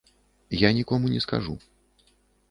Я нікому не скажу.